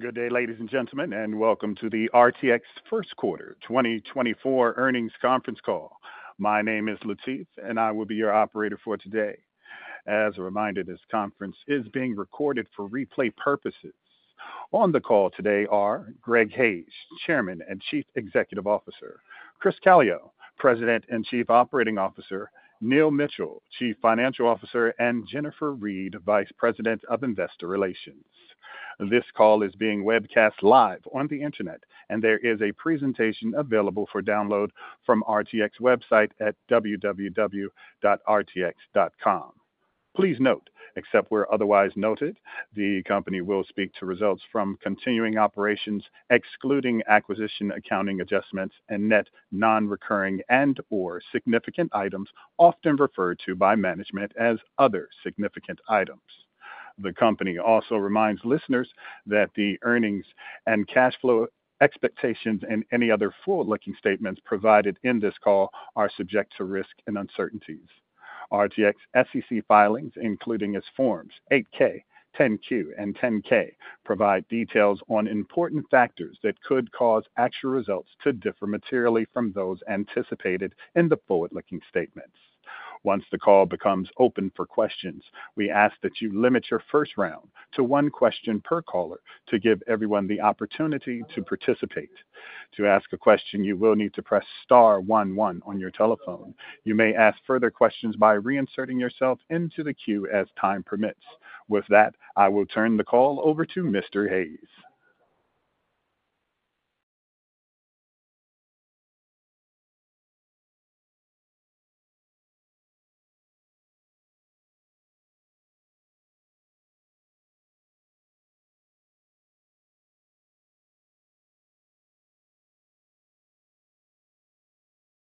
Good day, ladies and gentlemen, and welcome to the RTX First Quarter 2024 Earnings Conference Call. My name is Latif, and I will be your operator for today. As a reminder, this conference is being recorded for replay purposes. On the call today are Greg Hayes, Chairman and Chief Executive Officer; Chris Calio, President and Chief Operating Officer; Neil Mitchill, Chief Financial Officer; and Jennifer Reed, Vice President of Investor Relations. This call is being webcast live on the Internet, and there is a presentation available for download from RTX's website at www.rtx.com. Please note, except where otherwise noted, the company will speak to results from continuing operations excluding acquisition accounting adjustments and net non-recurring and/or significant items often referred to by management as other significant items. The company also reminds listeners that the earnings and cash flow expectations and any other forward-looking statements provided in this call are subject to risk and uncertainties. RTX's SEC filings, including its Forms 8-K, 10-Q, and 10-K, provide details on important factors that could cause actual results to differ materially from those anticipated in the forward-looking statements. Once the call becomes open for questions, we ask that you limit your first round to one question per caller to give everyone the opportunity to participate. To ask a question, you will need to press star one one on your telephone. You may ask further questions by reinserting yourself into the queue as time permits. With that, I will turn the call over to Mr. Hayes.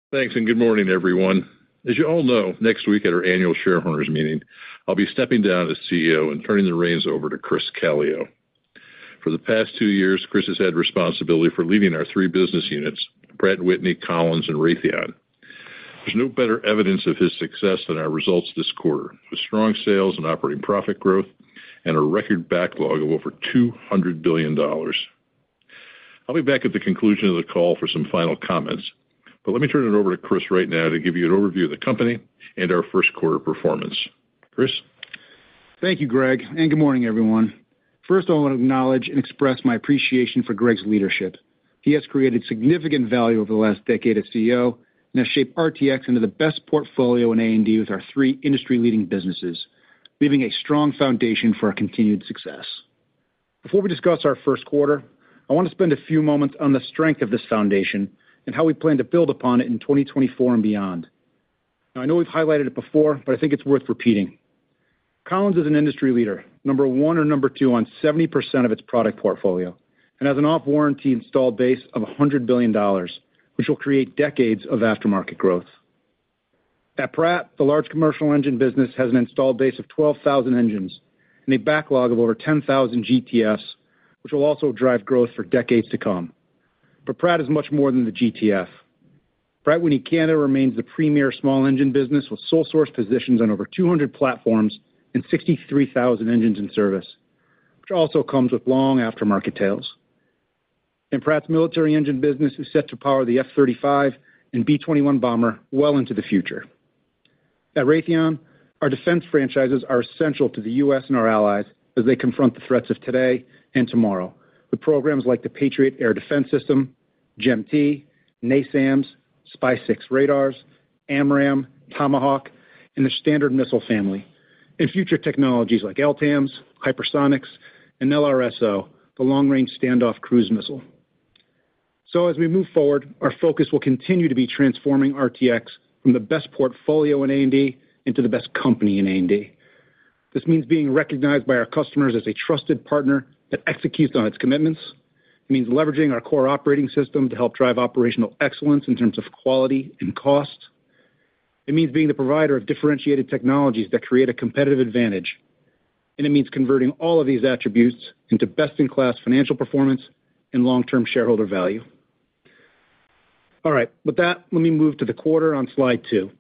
Thanks, and good morning, everyone. As you all know, next week at our annual shareholders' meeting, I'll be stepping down as CEO and turning the reins over to Chris Calio. For the past two years, Chris has had responsibility for leading our three business units: Pratt & Whitney, Collins, and Raytheon. There's no better evidence of his success than our results this quarter, with strong sales and operating profit growth, and a record backlog of over $200 billion. I'll be back at the conclusion of the call for some final comments, but let me turn it over to Chris right now to give you an overview of the company and our first quarter performance. Chris? Thank you, Greg, and good morning, everyone. First, I want to acknowledge and express my appreciation for Greg's leadership. He has created significant value over the last decade as CEO and has shaped RTX into the best portfolio in A&D with our three industry-leading businesses, leaving a strong foundation for our continued success. Before we discuss our first quarter, I want to spend a few moments on the strength of this foundation and how we plan to build upon it in 2024 and beyond. Now, I know we've highlighted it before, but I think it's worth repeating. Collins is an industry leader, number one or number two on 70% of its product portfolio, and has an off-warranty installed base of $100 billion, which will create decades of aftermarket growth. At Pratt, the large commercial engine business has an installed base of 12,000 engines and a backlog of over 10,000 GTFs, which will also drive growth for decades to come. But Pratt is much more than the GTF. Pratt & Whitney Canada remains the premier small engine business with sole-source positions on over 200 platforms and 63,000 engines in service, which also comes with long aftermarket tails. And Pratt's military engine business is set to power the F-35 and B-21 bomber well into the future. At Raytheon, our defense franchises are essential to the U.S. and our allies as they confront the threats of today and tomorrow with programs like the Patriot Air Defense System, GEM-T, NASAMS, SPY-6 radars, AMRAAM, Tomahawk, and the Standard Missile Family, and future technologies like LTAMDS, hypersonics, and LRSO, the long-range standoff cruise missile. So as we move forward, our focus will continue to be transforming RTX from the best portfolio in A&D into the best company in A&D. This means being recognized by our customers as a trusted partner that executes on its commitments. It means leveraging our CORE operating system to help drive operational excellence in terms of quality and cost. It means being the provider of differentiated technologies that create a competitive advantage. And it means converting all of these attributes into best-in-class financial performance and long-term shareholder value. All right, with that, let me move to the quarter on slide two.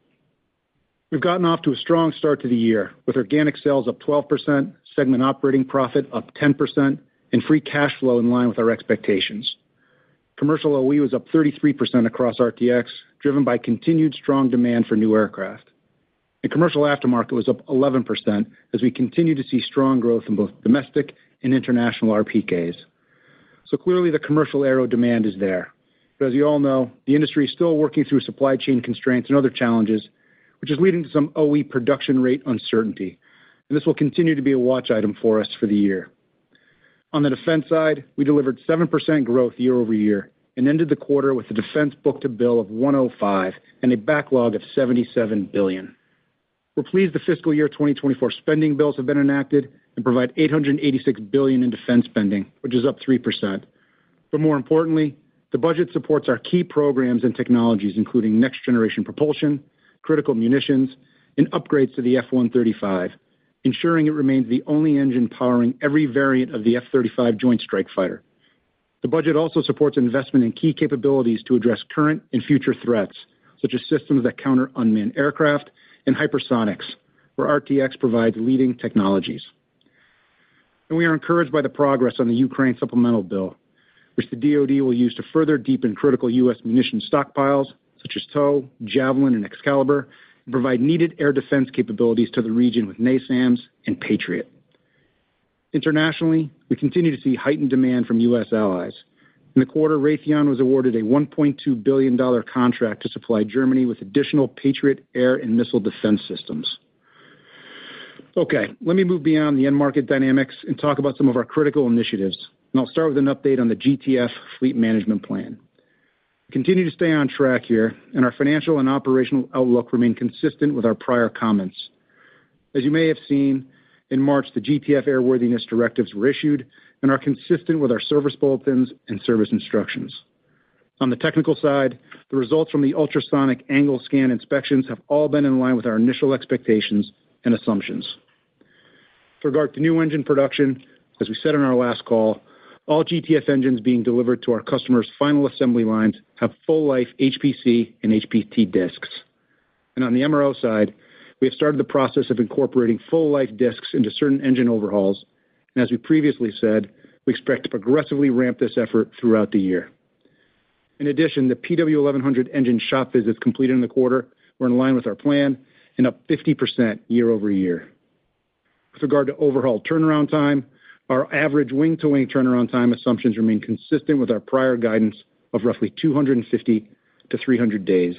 We've gotten off to a strong start to the year, with organic sales up 12%, segment operating profit up 10%, and free cash flow in line with our expectations. Commercial OE was up 33% across RTX, driven by continued strong demand for new aircraft. Commercial aftermarket was up 11% as we continue to see strong growth in both domestic and international RPKs. Clearly, the commercial aero demand is there. As you all know, the industry is still working through supply chain constraints and other challenges, which is leading to some OE production rate uncertainty. This will continue to be a watch item for us for the year. On the defense side, we delivered 7% growth year-over-year and ended the quarter with a defense book-to-bill of 1.05 and a backlog of $77 billion. We're pleased the fiscal year 2024 spending bills have been enacted and provide $886 billion in defense spending, which is up 3%. More importantly, the budget supports our key programs and technologies, including next-generation propulsion, critical munitions, and upgrades to the F135, ensuring it remains the only engine powering every variant of the F-35 Joint Strike Fighter. The budget also supports investment in key capabilities to address current and future threats, such as systems that counter unmanned aircraft and hypersonics, where RTX provides leading technologies. We are encouraged by the progress on the Ukraine Supplemental Bill, which the DOD will use to further deepen critical U.S. munitions stockpiles, such as TOW, Javelin, and Excalibur, and provide needed air defense capabilities to the region with NASAMS and Patriot. Internationally, we continue to see heightened demand from U.S. allies. In the quarter, Raytheon was awarded a $1.2 billion contract to supply Germany with additional Patriot air and missile defense systems. Okay, let me move beyond the end-market dynamics and talk about some of our critical initiatives. I'll start with an update on the GTF Fleet Management Plan. We continue to stay on track here, and our financial and operational outlook remain consistent with our prior comments. As you may have seen, in March, the GTF Airworthiness Directives were issued and are consistent with our service bulletins and service instructions. On the technical side, the results from the ultrasonic angle scan inspections have all been in line with our initial expectations and assumptions. With regard to new engine production, as we said on our last call, all GTF engines being delivered to our customers' final assembly lines have full-life HPC and HPT discs. On the MRO side, we have started the process of incorporating full-life discs into certain engine overhauls. As we previously said, we expect to progressively ramp this effort throughout the year. In addition, the PW1100 engine shop visits completed in the quarter were in line with our plan and up 50% year-over-year. With regard to overhaul turnaround time, our average wing-to-wing turnaround time assumptions remain consistent with our prior guidance of roughly 250-300 days.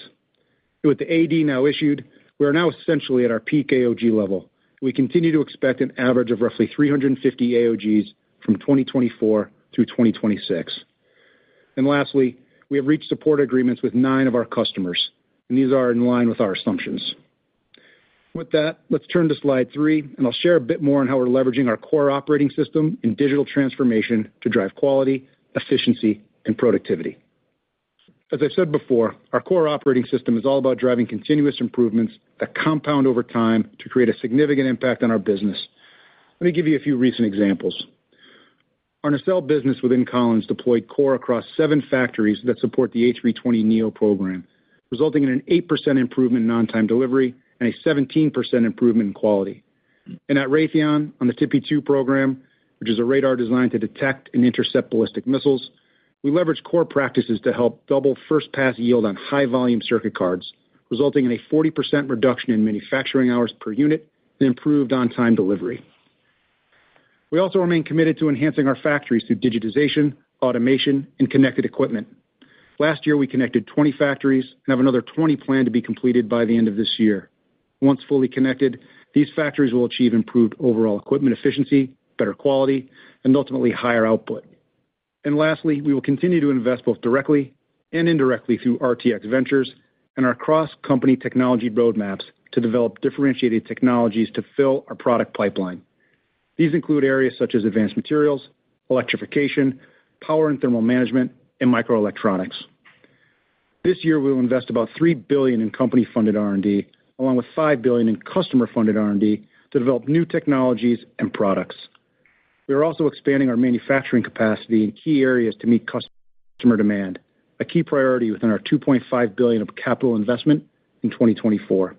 With the AD now issued, we are now essentially at our peak AOG level. We continue to expect an average of roughly 350 AOGs from 2024 through 2026. Lastly, we have reached support agreements with nine of our customers. These are in line with our assumptions. With that, let's turn to slide three, and I'll share a bit more on how we're leveraging our core operating system in digital transformation to drive quality, efficiency, and productivity. As I've said before, our CORE operating system is all about driving continuous improvements that compound over time to create a significant impact on our business. Let me give you a few recent examples. Our nacelle business within Collins deployed CORE across seven factories that support the A320neo program, resulting in an 8% improvement in on-time delivery and a 17% improvement in quality. At Raytheon, on the AN/TPY-2 program, which is a radar designed to detect and intercept ballistic missiles, we leverage CORE practices to help double first-pass yield on high-volume circuit cards, resulting in a 40% reduction in manufacturing hours per unit and improved on-time delivery. We also remain committed to enhancing our factories through digitization, automation, and connected equipment. Last year, we connected 20 factories and have another 20 planned to be completed by the end of this year. Once fully connected, these factories will achieve improved overall equipment efficiency, better quality, and ultimately higher output. Lastly, we will continue to invest both directly and indirectly through RTX Ventures and our cross-company technology roadmaps to develop differentiated technologies to fill our product pipeline. These include areas such as advanced materials, electrification, power and thermal management, and microelectronics. This year, we will invest about $3 billion in company-funded R&D, along with $5 billion in customer-funded R&D to develop new technologies and products. We are also expanding our manufacturing capacity in key areas to meet customer demand, a key priority within our $2.5 billion of capital investment in 2024.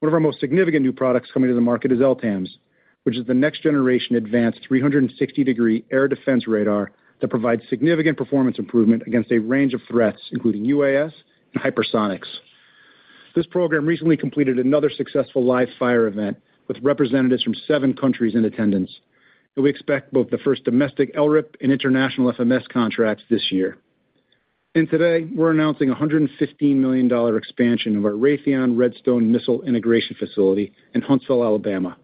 One of our most significant new products coming to the market is LTAMDS, which is the next-generation advanced 360-degree air defense radar that provides significant performance improvement against a range of threats, including UAS and hypersonics. This program recently completed another successful live fire event with representatives from seven countries in attendance. We expect both the first domestic LRIP and international FMS contracts this year. Today, we're announcing a $115 million expansion of our Raytheon Redstone Missile Integration Facility in Huntsville, Alabama.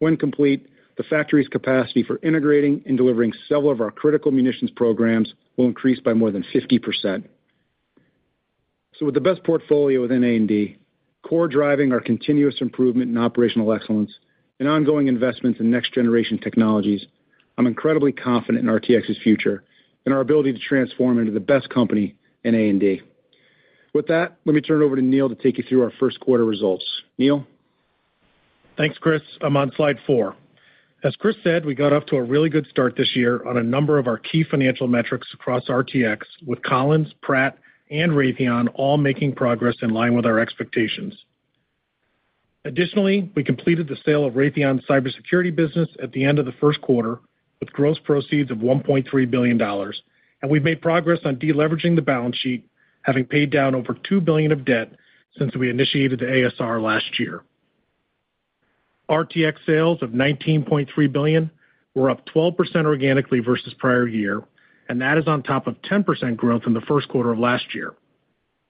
When complete, the factory's capacity for integrating and delivering several of our critical munitions programs will increase by more than 50%. With the best portfolio within A&D, CORE driving our continuous improvement in operational excellence and ongoing investments in next-generation technologies, I'm incredibly confident in RTX's future and our ability to transform into the best company in A&D. With that, let me turn it over to Neil to take you through our first quarter results. Neil? Thanks, Chris. I'm on slide four. As Chris said, we got off to a really good start this year on a number of our key financial metrics across RTX, with Collins, Pratt, and Raytheon all making progress in line with our expectations. Additionally, we completed the sale of Raytheon's cybersecurity business at the end of the first quarter with gross proceeds of $1.3 billion. We've made progress on deleveraging the balance sheet, having paid down over $2 billion of debt since we initiated the ASR last year. RTX sales of $19.3 billion were up 12% organically versus prior year, and that is on top of 10% growth in the first quarter of last year.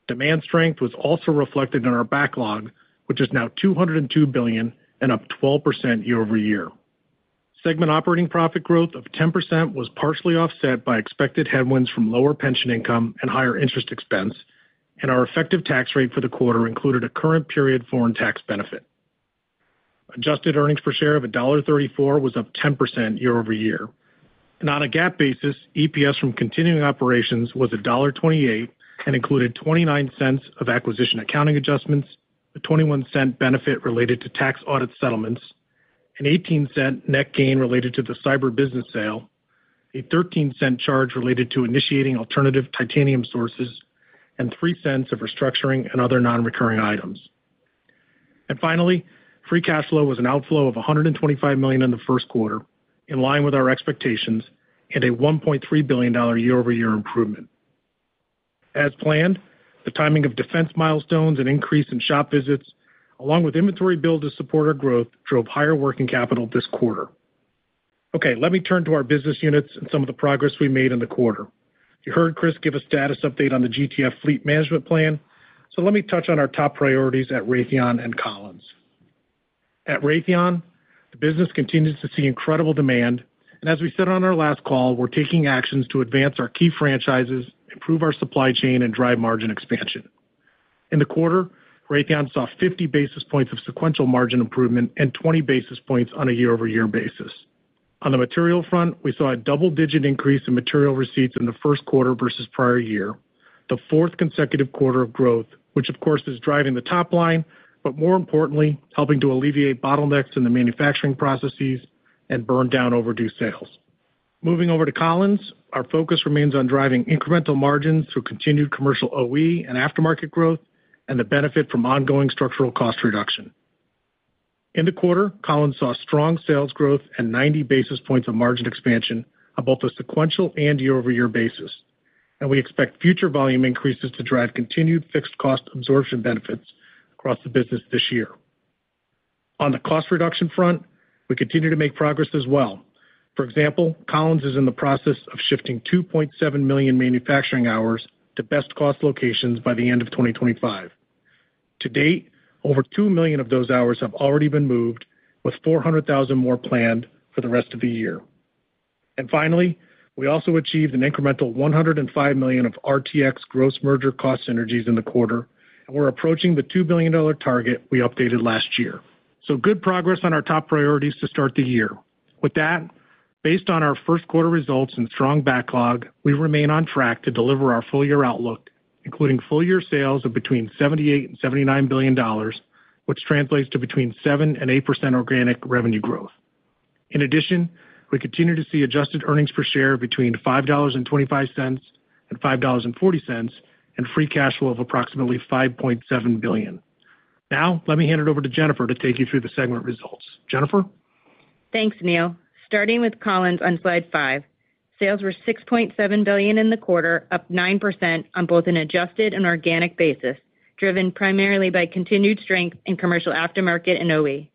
Demand strength was also reflected in our backlog, which is now $202 billion and up 12% year-over-year. Segment operating profit growth of 10% was partially offset by expected headwinds from lower pension income and higher interest expense. Our effective tax rate for the quarter included a current period foreign tax benefit. Adjusted earnings per share of $1.34 was up 10% year-over-year. On a GAAP basis, EPS from continuing operations was $1.28 and included $0.29 of acquisition accounting adjustments, a $0.21 benefit related to tax audit settlements, an $0.18 net gain related to the cyber business sale, a $0.13 charge related to initiating alternative titanium sources, and $0.03 of restructuring and other non-recurring items. Finally, free cash flow was an outflow of $125 million in the first quarter in line with our expectations and a $1.3 billion year-over-year improvement. As planned, the timing of defense milestones and increase in shop visits, along with inventory build to support our growth, drove higher working capital this quarter. Okay, let me turn to our business units and some of the progress we made in the quarter. You heard Chris give a status update on the GTF Fleet Management Plan. So let me touch on our top priorities at Raytheon and Collins. At Raytheon, the business continues to see incredible demand. As we said on our last call, we're taking actions to advance our key franchises, improve our supply chain, and drive margin expansion. In the quarter, Raytheon saw 50 basis points of sequential margin improvement and 20 basis points on a year-over-year basis. On the material front, we saw a double-digit increase in material receipts in the first quarter versus prior year, the fourth consecutive quarter of growth, which, of course, is driving the top line, but more importantly, helping to alleviate bottlenecks in the manufacturing processes and burn down overdue sales. Moving over to Collins, our focus remains on driving incremental margins through continued commercial OE and aftermarket growth and the benefit from ongoing structural cost reduction. In the quarter, Collins saw strong sales growth and 90 basis points of margin expansion on both a sequential and year-over-year basis. We expect future volume increases to drive continued fixed-cost absorption benefits across the business this year. On the cost reduction front, we continue to make progress as well. For example, Collins is in the process of shifting 2.7 million manufacturing hours to best-cost locations by the end of 2025. To date, over 2 million of those hours have already been moved, with 400,000 more planned for the rest of the year. Finally, we also achieved an incremental $105 million of RTX gross merger cost synergies in the quarter, and we're approaching the $2 billion target we updated last year. Good progress on our top priorities to start the year. With that, based on our first quarter results and strong backlog, we remain on track to deliver our full-year outlook, including full-year sales of $78 billion-$79 billion, which translates to 7%-8% organic revenue growth. In addition, we continue to see adjusted earnings per share of $5.25-$5.40 and free cash flow of approximately $5.7 billion. Now, let me hand it over to Jennifer to take you through the segment results. Jennifer? Thanks, Neil. Starting with Collins on slide five, sales were $6.7 billion in the quarter, up 9% on both an adjusted and organic basis, driven primarily by continued strength in commercial aftermarket and OE.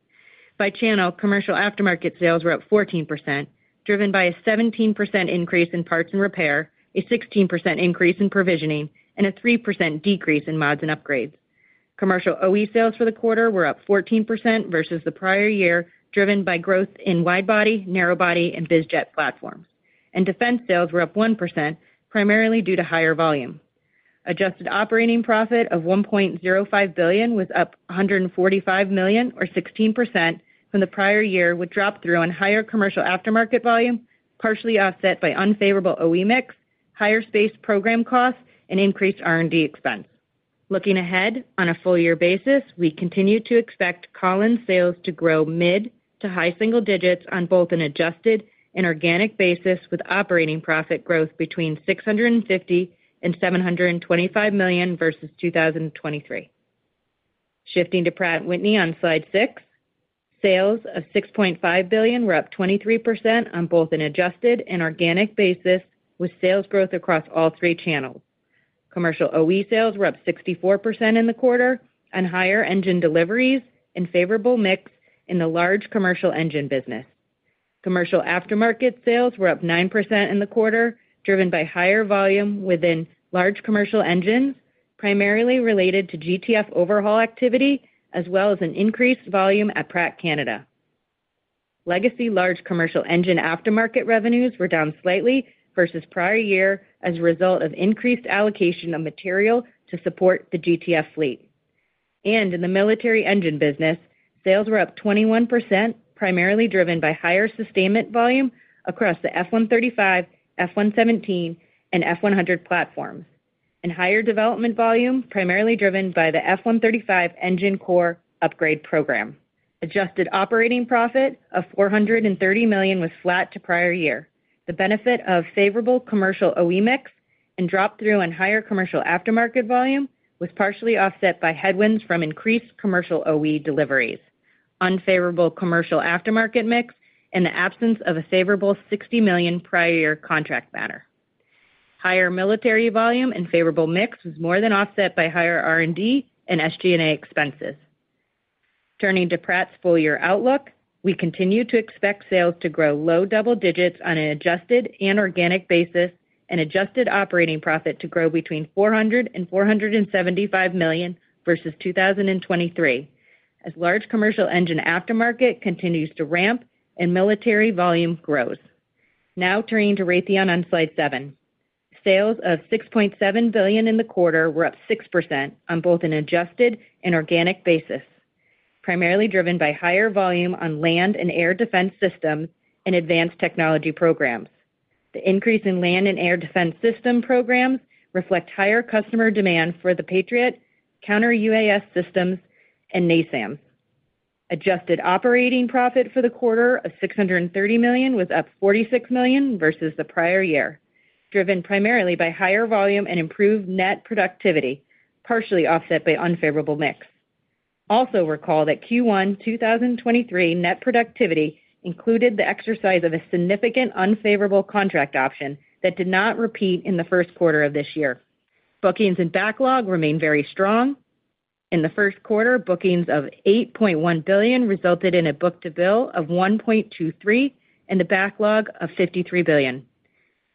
By channel, commercial aftermarket sales were up 14%, driven by a 17% increase in parts and repair, a 16% increase in provisioning, and a 3% decrease in mods and upgrades. Commercial OE sales for the quarter were up 14% versus the prior year, driven by growth in widebody, narrowbody, and bizjet platforms. Defense sales were up 1%, primarily due to higher volume. Adjusted operating profit of $1.05 billion was up $145 million, or 16%, from the prior year, with drop through on higher commercial aftermarket volume, partially offset by unfavorable OE mix, higher space program costs, and increased R&D expense. Looking ahead on a full-year basis, we continue to expect Collins sales to grow mid to high single digits on both an adjusted and organic basis, with operating profit growth between $650-$725 million versus 2023. Shifting to Pratt & Whitney on slide six, sales of $6.5 billion were up 23% on both an adjusted and organic basis, with sales growth across all three channels. Commercial OE sales were up 64% in the quarter on higher engine deliveries and favorable mix in the large commercial engine business. Commercial aftermarket sales were up 9% in the quarter, driven by higher volume within large commercial engines, primarily related to GTF overhaul activity as well as an increased volume at Pratt Canada. Legacy large commercial engine aftermarket revenues were down slightly versus prior year as a result of increased allocation of material to support the GTF fleet. In the military engine business, sales were up 21%, primarily driven by higher sustainment volume across the F135, F117, and F100 platforms, and higher development volume, primarily driven by the F135 engine core upgrade program. Adjusted operating profit of $430 million was flat to prior year. The benefit of favorable commercial OE mix and drop through on higher commercial aftermarket volume was partially offset by headwinds from increased commercial OE deliveries, unfavorable commercial aftermarket mix, and the absence of a favorable $60 million prior year contract matter. Higher military volume and favorable mix was more than offset by higher R&D and SG&A expenses. Turning to Pratt's full-year outlook, we continue to expect sales to grow low double digits on an adjusted and organic basis, and adjusted operating profit to grow between $400-$475 million versus 2023, as large commercial engine aftermarket continues to ramp and military volume grows. Now turning to Raytheon on slide seven, sales of $6.7 billion in the quarter were up 6% on both an adjusted and organic basis, primarily driven by higher volume on land and air defense systems and advanced technology programs. The increase in land and air defense system programs reflects higher customer demand for the Patriot, counter-UAS systems, and NASAMS. Adjusted operating profit for the quarter of $630 million was up $46 million versus the prior year, driven primarily by higher volume and improved net productivity, partially offset by unfavorable mix. Also, recall that Q1 2023 net productivity included the exercise of a significant unfavorable contract option that did not repeat in the first quarter of this year. Bookings and backlog remain very strong. In the first quarter, bookings of $8.1 billion resulted in a book-to-bill of 1.23 and a backlog of $53 billion.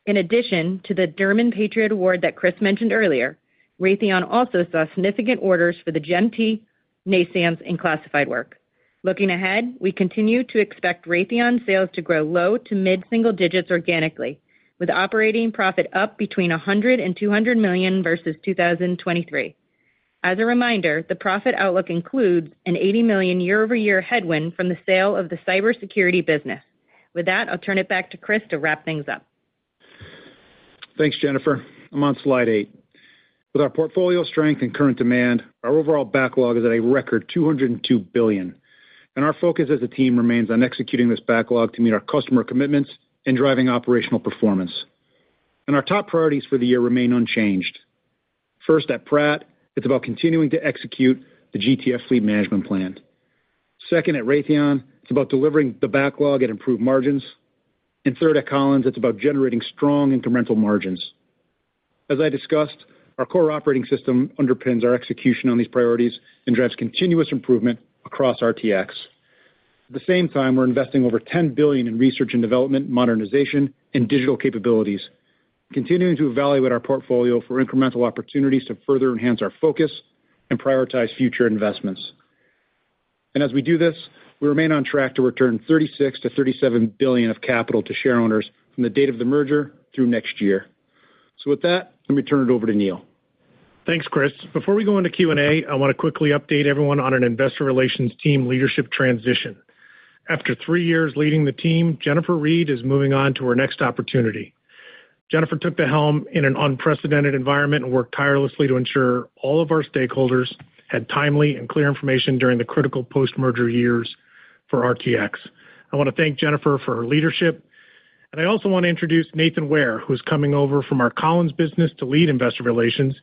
In addition to the German Patriot Award that Chris mentioned earlier, Raytheon also saw significant orders for the GEM-T, NASAMS, and classified work. Looking ahead, we continue to expect Raytheon sales to grow low to mid single digits organically, with operating profit up between $100 and $200 million versus 2023. As a reminder, the profit outlook includes an $80 million year-over-year headwind from the sale of the cybersecurity business. With that, I'll turn it back to Chris to wrap things up. Thanks, Jennifer. I'm on slide eight. With our portfolio strength and current demand, our overall backlog is at a record $202 billion. Our focus as a team remains on executing this backlog to meet our customer commitments and driving operational performance. Our top priorities for the year remain unchanged. First, at Pratt, it's about continuing to execute the GTF Fleet Management Plan. Second, at Raytheon, it's about delivering the backlog at improved margins. Third, at Collins, it's about generating strong incremental margins. As I discussed, our core operating system underpins our execution on these priorities and drives continuous improvement across RTX. At the same time, we're investing over $10 billion in research and development, modernization, and digital capabilities, continuing to evaluate our portfolio for incremental opportunities to further enhance our focus and prioritize future investments. As we do this, we remain on track to return $36 billion-$37 billion of capital to shareholders from the date of the merger through next year. With that, let me turn it over to Neil. Thanks, Chris. Before we go into Q&A, I want to quickly update everyone on an investor relations team leadership transition. After three years leading the team, Jennifer Reed is moving on to her next opportunity. Jennifer took the helm in an unprecedented environment and worked tirelessly to ensure all of our stakeholders had timely and clear information during the critical post-merger years for RTX. I want to thank Jennifer for her leadership. And I also want to introduce Nathan Ware, who is coming over from our Collins business to lead investor relations.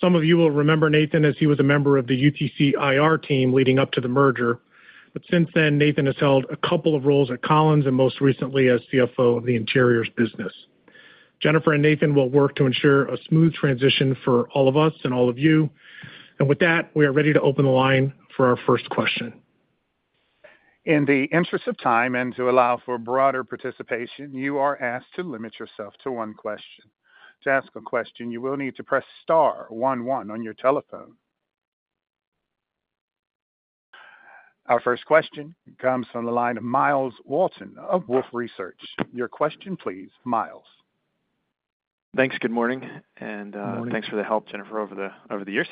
Some of you will remember Nathan as he was a member of the UTC IR team leading up to the merger. But since then, Nathan has held a couple of roles at Collins and most recently as CFO of the interiors business. Jennifer and Nathan will work to ensure a smooth transition for all of us and all of you. With that, we are ready to open the line for our first question. In the interest of time and to allow for broader participation, you are asked to limit yourself to one question. To ask a question, you will need to press star one one on your telephone. Our first question comes from the line of Miles Walton of Wolfe Research. Your question, please, Miles. Thanks. Good morning. And thanks for the help, Jennifer, over the years.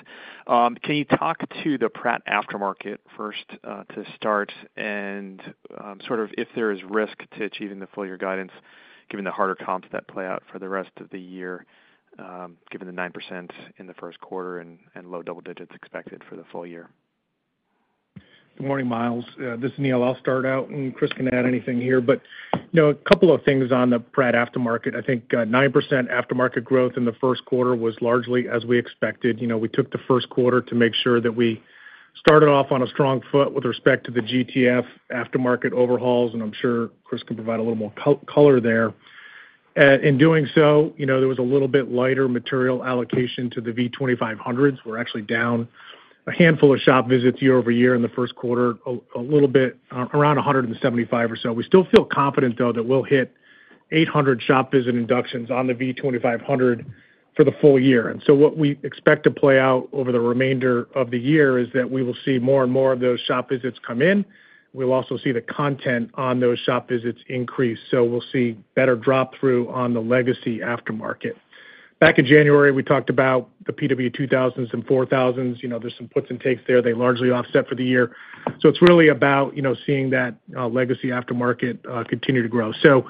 Can you talk to the Pratt aftermarket first to start, and sort of if there is risk to achieving the full-year guidance, given the harder comps that play out for the rest of the year, given the 9% in the first quarter and low double digits expected for the full year? Good morning, Miles. This is Neil. I'll start out, and Chris can add anything here. But a couple of things on the Pratt aftermarket. I think 9% aftermarket growth in the first quarter was largely as we expected. We took the first quarter to make sure that we started off on a strong foot with respect to the GTF aftermarket overhauls, and I'm sure Chris can provide a little more color there. In doing so, there was a little bit lighter material allocation to the V2500s. We're actually down a handful of shop visits year over year in the first quarter, around 175 or so. We still feel confident, though, that we'll hit 800 shop visit inductions on the V2500 for the full year. And so what we expect to play out over the remainder of the year is that we will see more and more of those shop visits come in. We'll also see the content on those shop visits increase. So we'll see better drop-through on the legacy aftermarket. Back in January, we talked about the PW2000s and PW4000s. There's some puts and takes there. They largely offset for the year. So it's really about seeing that legacy aftermarket continue to grow. So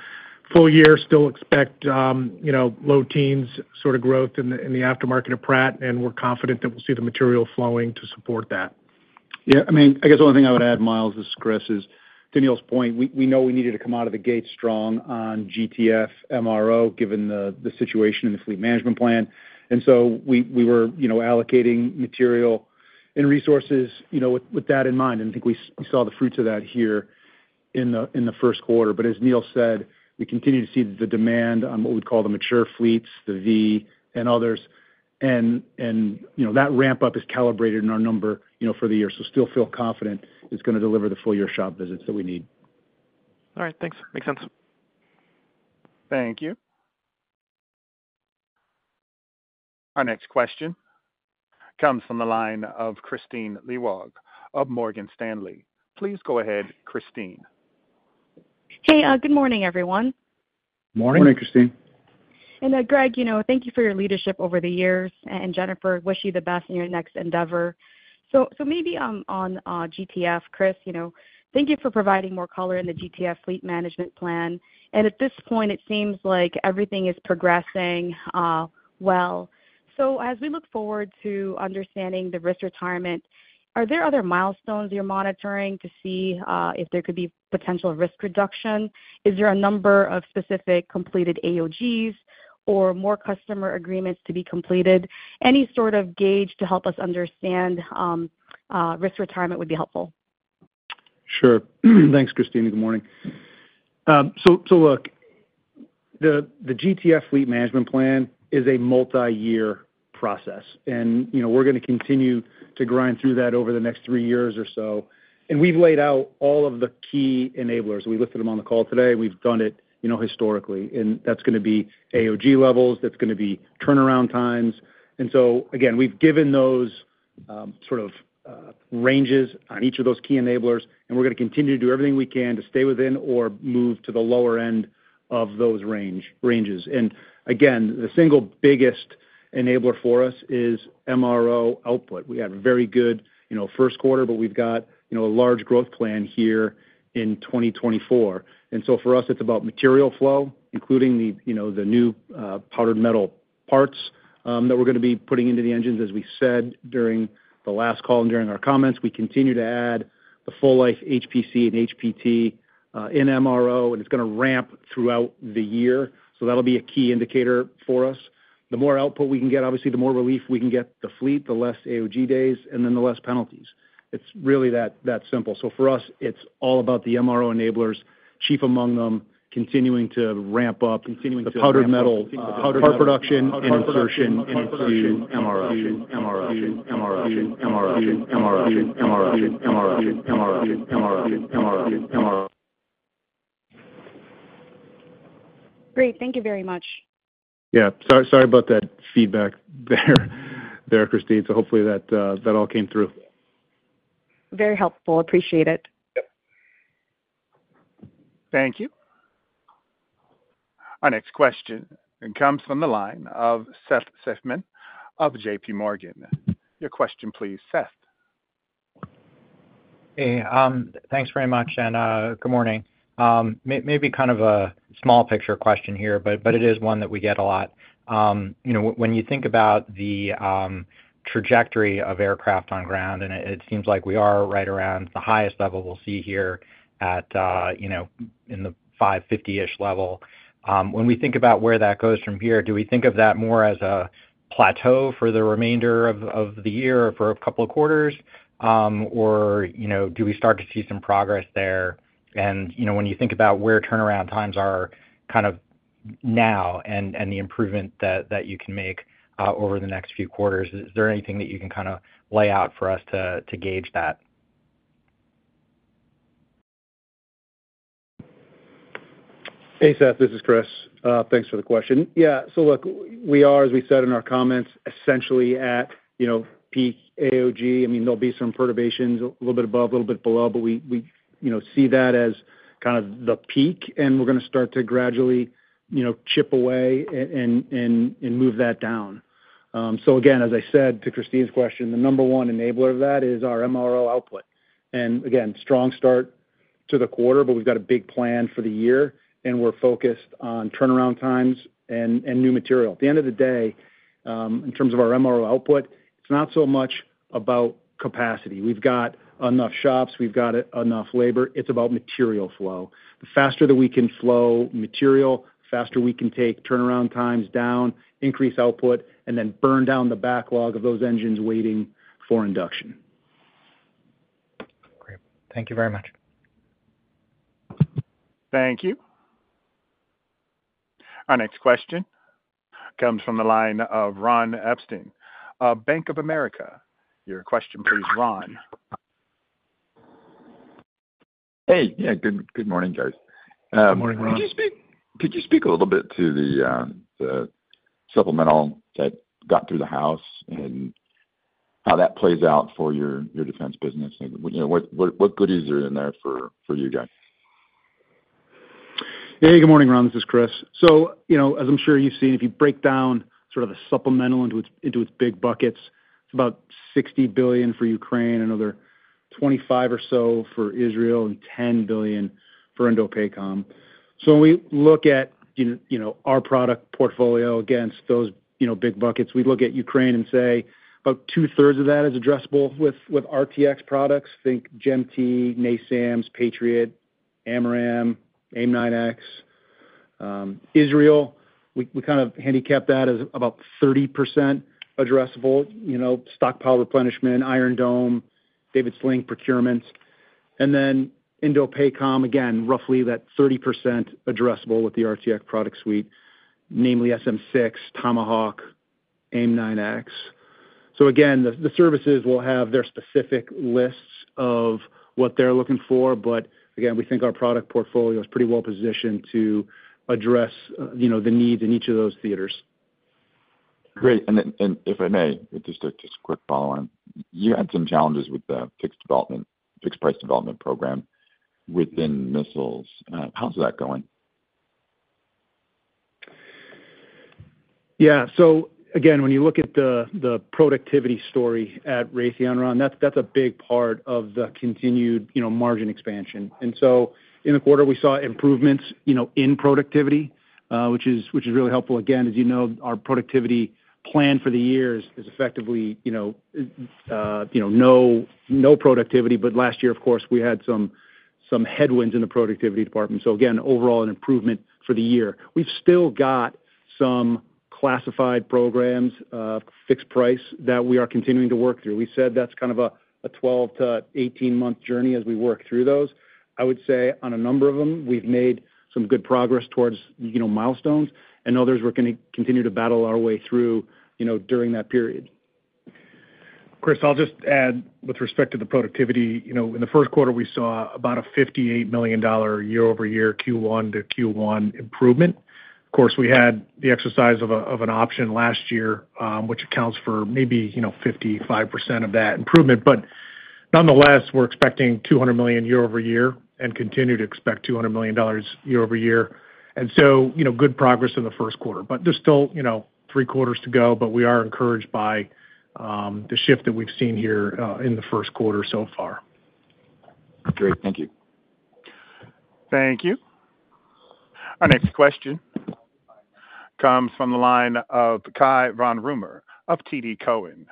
full year, still expect low teens sort of growth in the aftermarket at Pratt, and we're confident that we'll see the material flowing to support that. Yeah. I mean, I guess one thing I would add Miles, this is Chris, Is to Neil's point, we know we needed to come out of the gate strong on GTF MRO, given the situation in the Fleet Management Plan. So we were allocating material and resources with that in mind. I think we saw the fruits of that here in the first quarter. But as Neil said, we continue to see the demand on what we'd call the mature fleets, the V, and others. That ramp-up is calibrated in our number for the year. Still feel confident it's going to deliver the full-year shop visits that we need. All right. Thanks. Makes sense. Thank you. Our next question comes from the line of Kristine Liwag of Morgan Stanley. Please go ahead, Kristine. Hey. Good morning, everyone. Morning. Morning, Christine. Greg, thank you for your leadership over the years. Jennifer, wish you the best in your next endeavor. Maybe on GTF, Chris, thank you for providing more color in the GTF Fleet Management Plan. At this point, it seems like everything is progressing well. As we look forward to understanding the risk retirement, are there other milestones you're monitoring to see if there could be potential risk reduction? Is there a number of specific completed AOGs or more customer agreements to be completed? Any sort of gauge to help us understand risk retirement would be helpful. Sure. Thanks, Kristine. Good morning. So look, the GTF Fleet Management Plan is a multi-year process. And we're going to continue to grind through that over the next three years or so. And we've laid out all of the key enablers. We listed them on the call today. We've done it historically. And that's going to be AOG levels. That's going to be turnaround times. And so again, we've given those sort of ranges on each of those key enablers. And we're going to continue to do everything we can to stay within or move to the lower end of those ranges. And again, the single biggest enabler for us is MRO output. We had a very good first quarter, but we've got a large growth plan here in 2024. And so for us, it's about material flow, including the new powdered metal parts that we're going to be putting into the engines. As we said during the last call and during our comments, we continue to add the full-life HPC and HPT in MRO, and it's going to ramp throughout the year. So that'll be a key indicator for us. The more output we can get, obviously, the more relief we can get the fleet, the less AOG days, and then the less penalties. It's really that simple. So for us, it's all about the MRO enablers, chief among them continuing to ramp up the powdered metal part production and insertion into MRO, MRO, MRO, MRO, MRO, MRO, MRO, Gret. Thank you very much. Sorry about that feedback there, Kristine. So hopefully, that all came through. Very helpful. Appreciate it. Thank you. Our next question comes from the line of Seth Seifman of JPMorgan. Your question, please, Seth. Hey. Thanks very much. And good morning. Maybe kind of a small picture question here, but it is one that we get a lot. When you think about the trajectory of aircraft on ground, and it seems like we are right around the highest level we'll see here in the 550-ish level, when we think about where that goes from here, do we think of that more as a plateau for the remainder of the year or for a couple of quarters, or do we start to see some progress there? And when you think about where turnaround times are kind of now and the improvement that you can make over the next few quarters, is there anything that you can kind of lay out for us to gauge that? Hey, Seth. This is Chris. Thanks for the question. Yeah. So look, we are, as we said in our comments, essentially at peak AOG. I mean, there'll be some perturbations, a little bit above, a little bit below, but we see that as kind of the peak, and we're going to start to gradually chip away and move that down. So again, as I said to Kristine's question, the number one enabler of that is our MRO output. And again, strong start to the quarter, but we've got a big plan for the year, and we're focused on turnaround times and new material. At the end of the day, in terms of our MRO output, it's not so much about capacity. We've got enough shops. We've got enough labor. It's about material flow. The faster that we can flow material, the faster we can take turnaround times down, increase output, and then burn down the backlog of those engines waiting for induction. Great. Thank you very much. Thank you. Our next question comes from the line of Ron Epstein, Bank of America. Your question, please, Ron. Hey. Yeah. Good morning, guys. Good morning, Ron. Could you speak a little bit to the supplemental that got through the house and how that plays out for your defense business? What goodies are in there for you guys? Hey. Good morning, Ron. This is Chris. So as I'm sure you've seen, if you break down sort of the supplemental into its big buckets, it's about $60 billion for Ukraine and another $25 billion or so for Israel and $10 billion for INDOPACOM. So when we look at our product portfolio against those big buckets, we look at Ukraine and say about two-thirds of that is addressable with RTX products, think GEM-T, NASAMS, Patriot, AMRAAM, AIM-9X. Israel, we kind of handicapped that as about 30% addressable: stockpile replenishment, Iron Dome, David's Sling procurements. And then INDOPACOM, again, roughly that 30% addressable with the RTX product suite, namely SM-6, Tomahawk, AIM-9X. So again, the services will have their specific lists of what they're looking for. But again, we think our product portfolio is pretty well positioned to address the needs in each of those theaters. Great. And if I may, just a quick follow-on, you had some challenges with the fixed price development program within missiles. How's that going? Yeah. So again, when you look at the productivity story at Raytheon, Ron, that's a big part of the continued margin expansion. And so in the quarter, we saw improvements in productivity, which is really helpful. Again, as you know, our productivity plan for the year is effectively no productivity. But last year, of course, we had some headwinds in the productivity department. So again, overall, an improvement for the year. We've still got some classified programs of fixed price that we are continuing to work through. We said that's kind of a 12-18-month journey as we work through those. I would say on a number of them, we've made some good progress towards milestones, and others we're going to continue to battle our way through during that period. Chris, I'll just add with respect to the productivity. In the first quarter, we saw about a $58 million year-over-year, Q1 to Q1 improvement. Of course, we had the exercise of an option last year, which accounts for maybe 55% of that improvement. But nonetheless, we're expecting $200 million year-over-year and continue to expect $200 million year-over-year. And so good progress in the first quarter. But there's still three quarters to go, but we are encouraged by the shift that we've seen here in the first quarter so far. Great. Thank you. Thank you. Our next question comes from the line of Cai von Rumohr of TD Cowen.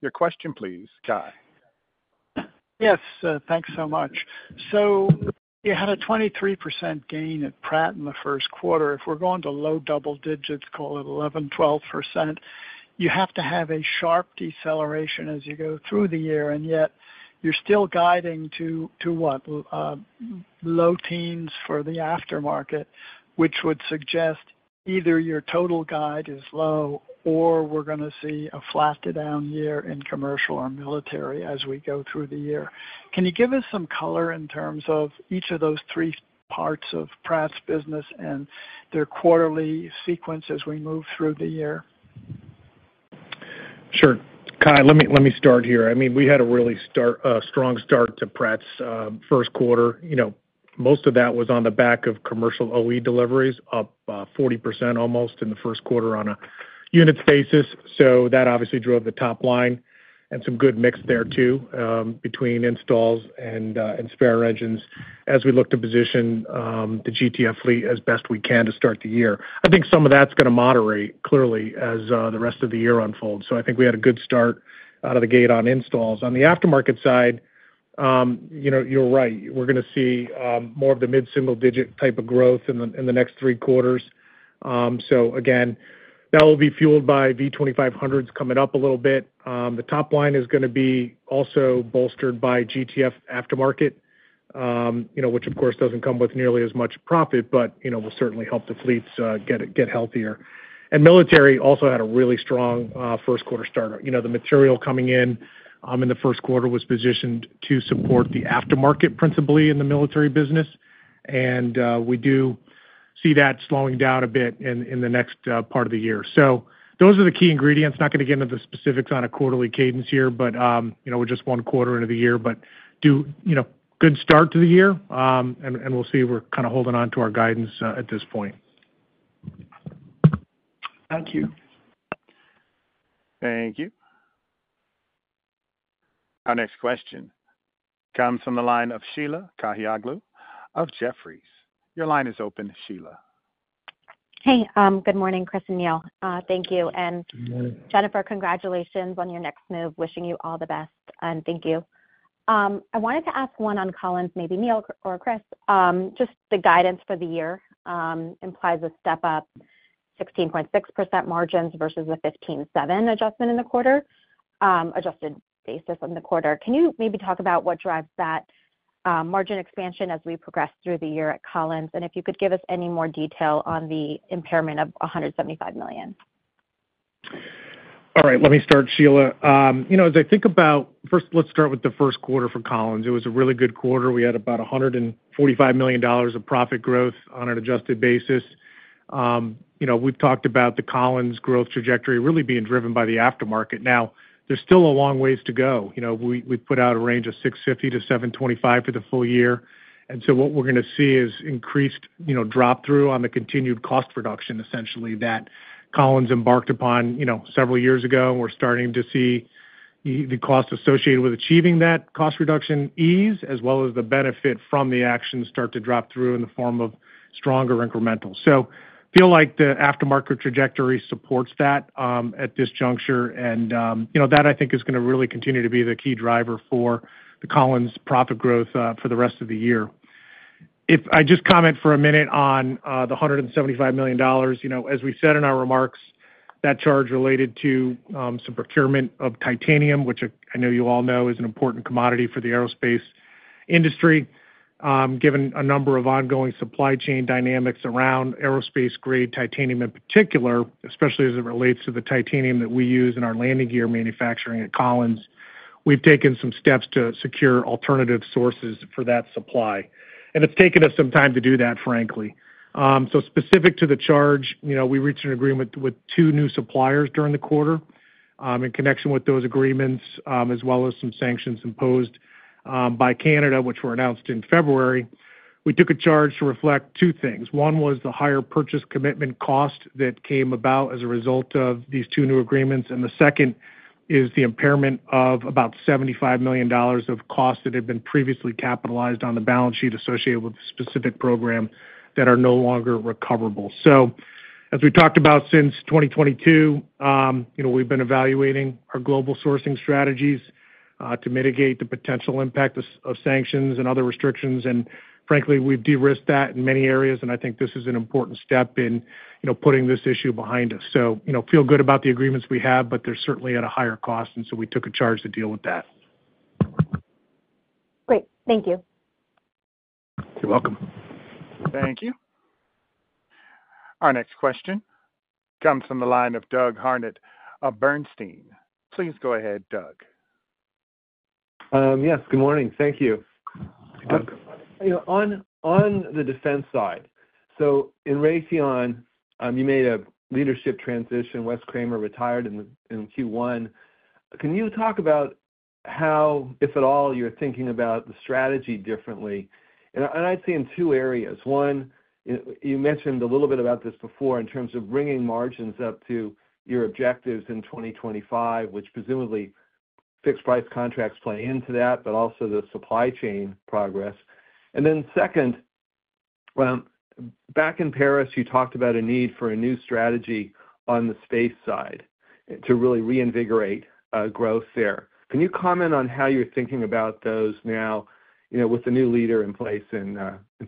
Your question, please, Kai. Yes. Thanks so much. So you had a 23% gain at Pratt in the first quarter. If we're going to low double digits, call it 11%-12%, you have to have a sharp deceleration as you go through the year. And yet, you're still guiding to what? Low teens for the aftermarket, which would suggest either your total guide is low or we're going to see a flatter down year in commercial or military as we go through the year. Can you give us some color in terms of each of those three parts of Pratt's business and their quarterly sequence as we move through the year? Sure. Cai, let me start here. I mean, we had a really strong start to Pratt's first quarter. Most of that was on the back of commercial OE deliveries, up 40% almost in the first quarter on a units basis. So that obviously drove the top line and some good mix there too between installs and spare engines as we looked to position the GTF fleet as best we can to start the year. I think some of that's going to moderate, clearly, as the rest of the year unfolds. So I think we had a good start out of the gate on installs. On the aftermarket side, you're right. We're going to see more of the mid-single-digit type of growth in the next three quarters. So again, that will be fueled by V2500s coming up a little bit. The top line is going to be also bolstered by GTF aftermarket, which, of course, doesn't come with nearly as much profit, but will certainly help the fleets get healthier. Military also had a really strong first quarter startup. The material coming in in the first quarter was positioned to support the aftermarket principally in the military business. We do see that slowing down a bit in the next part of the year. So those are the key ingredients. Not going to get into the specifics on a quarterly cadence here, but with just one quarter into the year. Good start to the year. We'll see. We're kind of holding on to our guidance at this point. Thank you. Thank you. Our next question comes from the line of Sheila Kahyaoglu of Jefferies. Your line is open, Sheila. Hey. Good morning, Chris and Neil. Thank you. And Jennifer, congratulations on your next move. Wishing you all the best. And thank you. I wanted to ask one on Collins, maybe Neil or Chris. Just the guidance for the year implies a step-up, 16.6% margins versus a 15.7% adjustment in the quarter, adjusted basis in the quarter. Can you maybe talk about what drives that margin expansion as we progress through the year at Collins? And if you could give us any more detail on the impairment of $175 million. All right. Let me start, Sheila. As I think about first, let's start with the first quarter for Collins. It was a really good quarter. We had about $145 million of profit growth on an adjusted basis. We've talked about the Collins growth trajectory really being driven by the aftermarket. Now, there's still a long ways to go. We've put out a range of $650 million-$725 million for the full year. And so what we're going to see is increased drop-through on the continued cost reduction, essentially, that Collins embarked upon several years ago. And we're starting to see the cost associated with achieving that cost reduction ease as well as the benefit from the actions start to drop through in the form of stronger incrementals. So I feel like the aftermarket trajectory supports that at this juncture. That, I think, is going to really continue to be the key driver for the Collins profit growth for the rest of the year. If I just comment for a minute on the $175 million. As we said in our remarks, that charge related to some procurement of titanium, which I know you all know is an important commodity for the aerospace industry. Given a number of ongoing supply chain dynamics around aerospace-grade titanium in particular, especially as it relates to the titanium that we use in our landing gear manufacturing at Collins, we've taken some steps to secure alternative sources for that supply. And it's taken us some time to do that, frankly. So specific to the charge, we reached an agreement with two new suppliers during the quarter. In connection with those agreements, as well as some sanctions imposed by Canada, which were announced in February, we took a charge to reflect two things. One was the higher purchase commitment cost that came about as a result of these two new agreements. And the second is the impairment of about $75 million of cost that had been previously capitalized on the balance sheet associated with the specific program that are no longer recoverable. So as we've talked about since 2022, we've been evaluating our global sourcing strategies to mitigate the potential impact of sanctions and other restrictions. And frankly, we've de-risked that in many areas. And I think this is an important step in putting this issue behind us. So feel good about the agreements we have, but they're certainly at a higher cost. And so we took a charge to deal with that. Great. Thank you. You're welcome. Thank you. Our next question comes from the line of Doug Harned, Bernstein. Please go ahead, Doug. Yes. Good morning. Thank you. On the defense side, so in Raytheon, you made a leadership transition. Wes Kremer retired in Q1. Can you talk about how, if at all, you're thinking about the strategy differently? And I'd say in two areas. One, you mentioned a little bit about this before in terms of bringing margins up to your objectives in 2025, which presumably fixed-price contracts play into that, but also the supply chain progress. And then second, back in Paris, you talked about a need for a new strategy on the space side to really reinvigorate growth there. Can you comment on how you're thinking about those now with the new leader in place in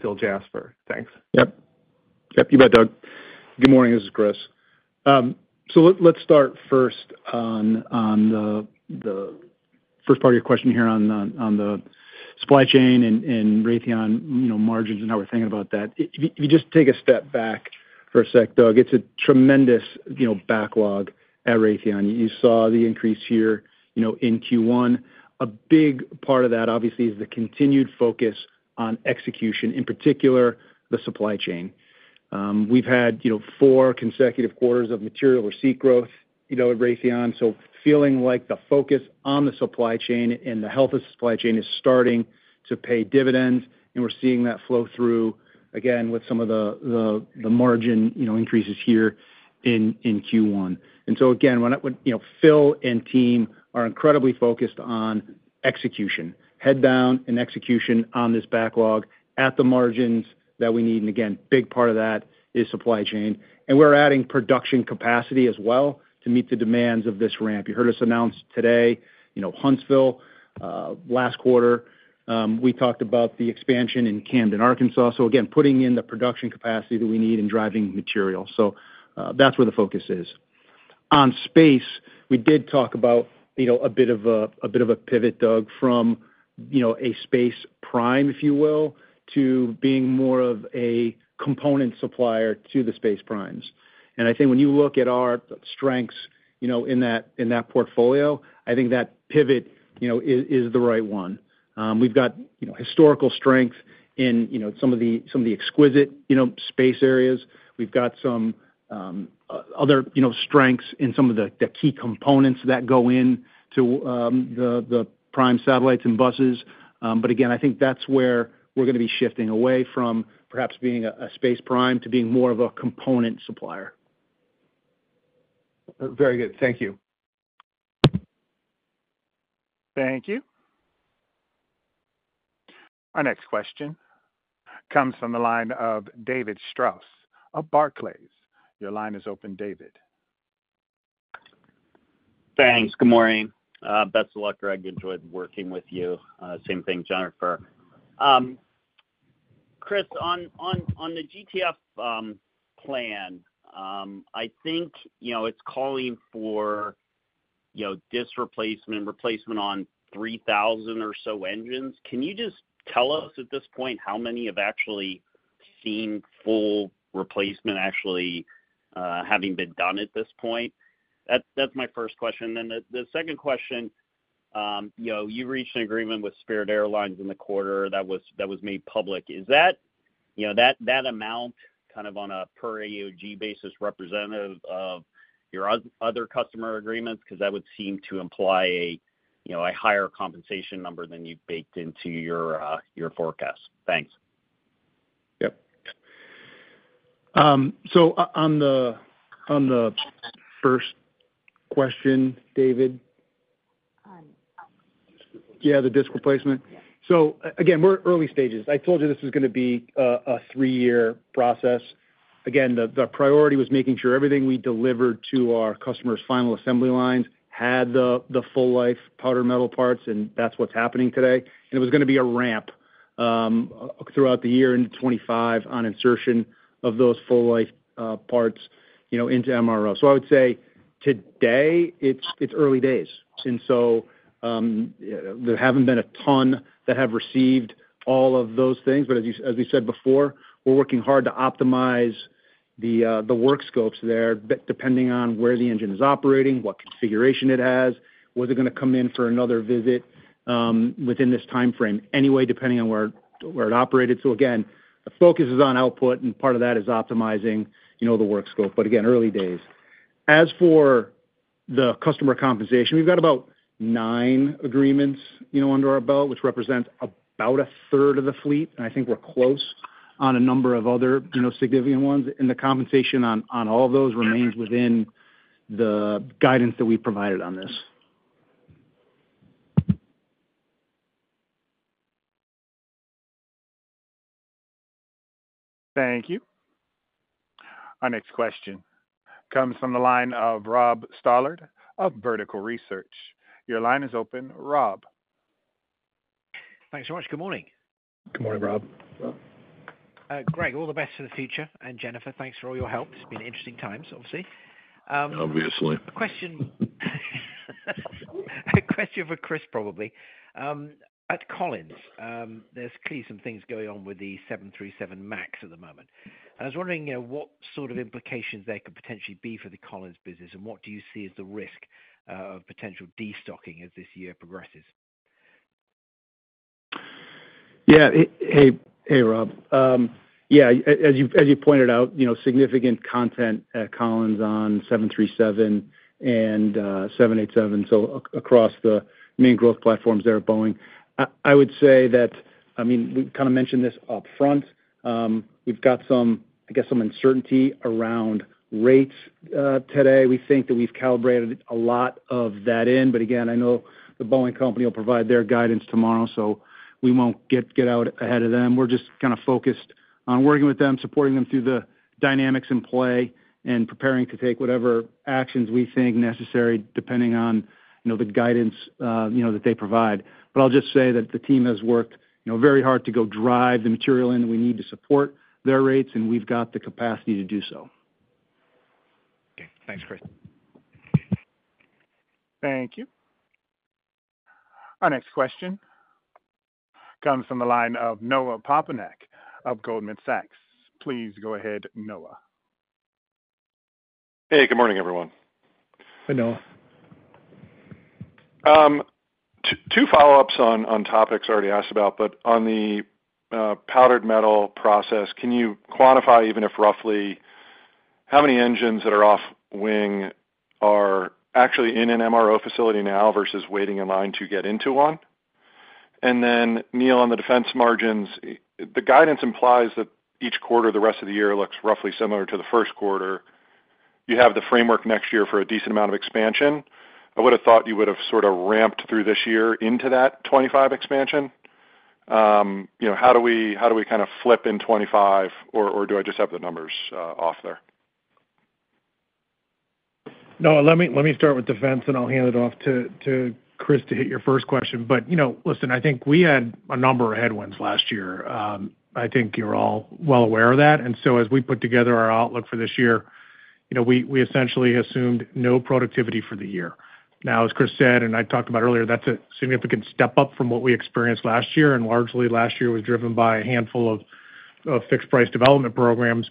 Phil Jasper? Thanks. Yep. Yep. You bet, Doug. Good morning. This is Chris. So let's start first on the first part of your question here on the supply chain and Raytheon margins and how we're thinking about that. If you just take a step back for a sec, Doug, it's a tremendous backlog at Raytheon. You saw the increase here in Q1. A big part of that, obviously, is the continued focus on execution, in particular, the supply chain. We've had four consecutive quarters of material cost growth at Raytheon. So feeling like the focus on the supply chain and the health of the supply chain is starting to pay dividends. And we're seeing that flow through, again, with some of the margin increases here in Q1. And so again, Phil and team are incredibly focused on execution, head down and execution on this backlog at the margins that we need. Again, a big part of that is supply chain. We're adding production capacity as well to meet the demands of this ramp. You heard us announce today, Huntsville, last quarter. We talked about the expansion in Camden, Arkansas. Again, putting in the production capacity that we need and driving material. That's where the focus is. On space, we did talk about a bit of a pivot, Doug, from a space prime, if you will, to being more of a component supplier to the space primes. I think when you look at our strengths in that portfolio, I think that pivot is the right one. We've got historical strength in some of the exquisite space areas. We've got some other strengths in some of the key components that go into the prime satellites and buses. But again, I think that's where we're going to be shifting away from perhaps being a space prime to being more of a component supplier. Very good. Thank you. Thank you. Our next question comes from the line of David Strauss of Barclays. Your line is open, David. Thanks. Good morning. Best of luck, Greg. Enjoyed working with you. Same thing, Jennifer. Chris, on the GTF plan, I think it's calling for disc replacement, replacement on 3,000 or so engines. Can you just tell us at this point how many have actually seen full replacement actually having been done at this point? That's my first question. And then the second question, you reached an agreement with Spirit Airlines in the quarter that was made public. Is that amount kind of on a per AOG basis representative of your other customer agreements? Because that would seem to imply a higher compensation number than you baked into your forecast. Thanks. Yep. So on the first question, David. Yeah, the disc replacement. So again, we're early stages. I told you this was going to be a three-year process. Again, the priority was making sure everything we delivered to our customers' final assembly lines had the full-life powder metal parts. And that's what's happening today. And it was going to be a ramp throughout the year into 2025 on insertion of those full-life parts into MRO. So I would say today, it's early days. And so there haven't been a ton that have received all of those things. But as we said before, we're working hard to optimize the work scopes there depending on where the engine is operating, what configuration it has, was it going to come in for another visit within this timeframe anyway, depending on where it operated. So again, the focus is on output. Part of that is optimizing the work scope. But again, early days. As for the customer compensation, we've got about nine agreements under our belt, which represents about a third of the fleet. I think we're close on a number of other significant ones. The compensation on all of those remains within the guidance that we provided on this. Thank you. Our next question comes from the line of Rob Stallard of Vertical Research. Your line is open, Rob. Thanks so much. Good morning. Good morning, Rob. Greg, all the best for the future. And Jennifer, thanks for all your help. It's been interesting times, obviously. Obviously. Question for Chris, probably. At Collins, there's clearly some things going on with the 737 MAX at the moment. I was wondering what sort of implications there could potentially be for the Collins business. What do you see as the risk of potential destocking as this year progresses? Yeah. Hey, Rob. Yeah. As you pointed out, significant content at Collins on 737 and 787, so across the main growth platforms there at Boeing. I would say that I mean, we kind of mentioned this upfront. We've got, I guess, some uncertainty around rates today. We think that we've calibrated a lot of that in. But again, I know Boeing will provide their guidance tomorrow. So we won't get out ahead of them. We're just kind of focused on working with them, supporting them through the dynamics in play, and preparing to take whatever actions we think necessary depending on the guidance that they provide. But I'll just say that the team has worked very hard to go drive the material in that we need to support their rates. And we've got the capacity to do so. Okay. Thanks, Chris. Thank you. Our next question comes from the line of Noah Poponak of Goldman Sachs. Please go ahead, Noah. Hey. Good morning, everyone. Hi, Noah. Two follow-ups on topics already asked about. But on the powdered metal process, can you quantify, even if roughly, how many engines that are off wing are actually in an MRO facility now versus waiting in line to get into one? And then, Neil, on the defense margins, the guidance implies that each quarter, the rest of the year, looks roughly similar to the first quarter. You have the framework next year for a decent amount of expansion. I would have thought you would have sort of ramped through this year into that 2025 expansion. How do we kind of flip in 2025? Or do I just have the numbers off there? Noah, let me start with defense. I'll hand it off to Chris to hit your first question. But listen, I think we had a number of headwinds last year. I think you're all well aware of that. So as we put together our outlook for this year, we essentially assumed no productivity for the year. Now, as Chris said and I talked about earlier, that's a significant step up from what we experienced last year. Largely, last year was driven by a handful of fixed-price development programs.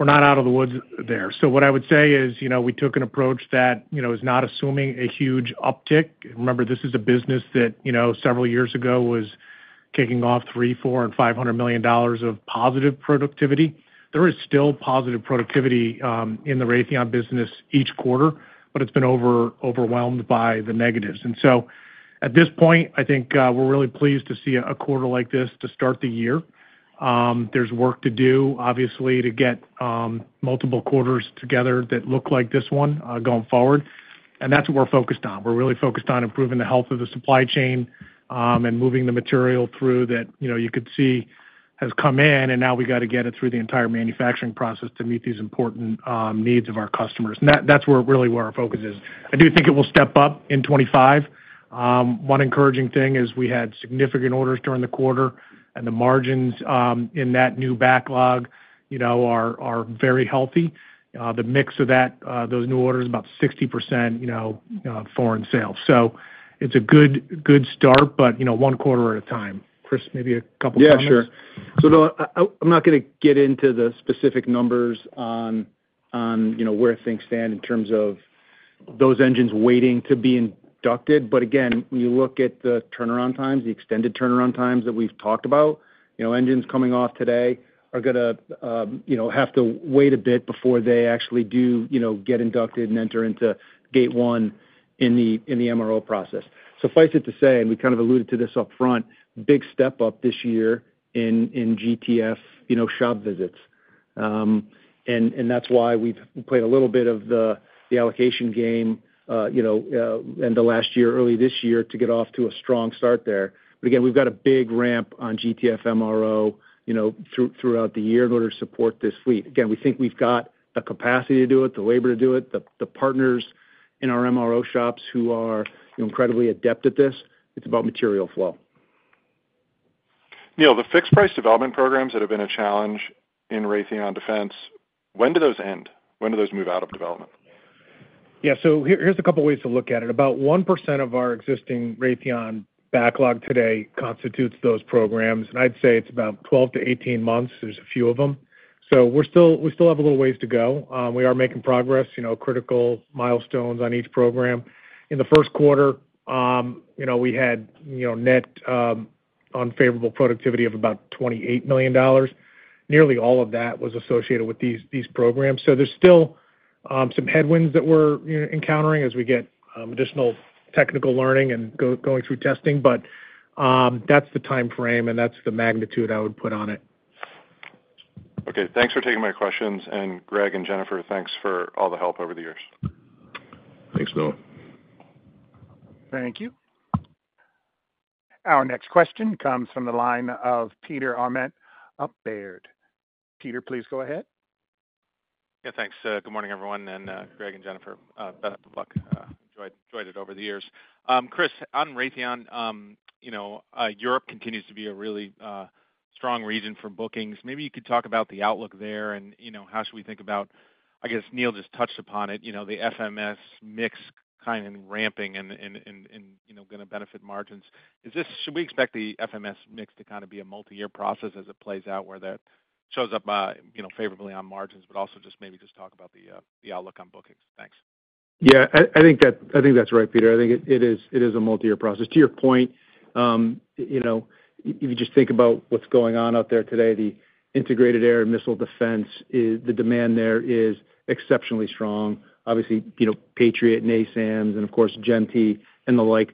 We're not out of the woods there. What I would say is we took an approach that is not assuming a huge uptick. Remember, this is a business that several years ago was kicking off $300 million, $400 million, and $500 million of positive productivity. There is still positive productivity in the Raytheon business each quarter. But it's been overwhelmed by the negatives. So at this point, I think we're really pleased to see a quarter like this to start the year. There's work to do, obviously, to get multiple quarters together that look like this one going forward. That's what we're focused on. We're really focused on improving the health of the supply chain and moving the material through that you could see has come in. Now, we got to get it through the entire manufacturing process to meet these important needs of our customers. That's really where our focus is. I do think it will step up in 2025. One encouraging thing is we had significant orders during the quarter. The margins in that new backlog are very healthy. The mix of those new orders is about 60% foreign sales. It's a good start. But one quarter at a time. Chris, maybe a couple of comments? Yeah. Sure. So no, I'm not going to get into the specific numbers on where things stand in terms of those engines waiting to be inducted. But again, when you look at the turnaround times, the extended turnaround times that we've talked about, engines coming off today are going to have to wait a bit before they actually do get inducted and enter into Gate 1 in the MRO process. Suffice it to say, and we kind of alluded to this upfront, big step up this year in GTF shop visits. And that's why we've played a little bit of the allocation game in the last year, early this year, to get off to a strong start there. But again, we've got a big ramp on GTF MRO throughout the year in order to support this fleet. Again, we think we've got the capacity to do it, the labor to do it, the partners in our MRO shops who are incredibly adept at this. It's about material flow. Neil, the fixed-price development programs that have been a challenge in Raytheon defense, when do those end? When do those move out of development? Yeah. So here's a couple of ways to look at it. About 1% of our existing Raytheon backlog today constitutes those programs. And I'd say it's about 12-18 months. There's a few of them. So we still have a little ways to go. We are making progress, critical milestones on each program. In the first quarter, we had net unfavorable productivity of about $28 million. Nearly all of that was associated with these programs. So there's still some headwinds that we're encountering as we get additional technical learning and going through testing. But that's the timeframe. And that's the magnitude I would put on it. Okay. Thanks for taking my questions. Greg and Jennifer, thanks for all the help over the years. Thanks, Noah. Thank you. Our next question comes from the line of Peter Arment at Baird. Peter, please go ahead. Yeah. Thanks. Good morning, everyone. And Greg and Jennifer, best of luck. Enjoyed it over the years. Chris, on Raytheon, Europe continues to be a really strong region for bookings. Maybe you could talk about the outlook there. And how should we think about, I guess, Neil just touched upon it, the FMS mix kind of ramping and going to benefit margins. Should we expect the FMS mix to kind of be a multi-year process as it plays out where that shows up favorably on margins? But also just maybe just talk about the outlook on bookings. Thanks. Yeah. I think that's right, Peter. I think it is a multi-year process. To your point, if you just think about what's going on out there today, the integrated air missile defense, the demand there is exceptionally strong. Obviously, Patriot and NASAMS and, of course, GEM-T and the like.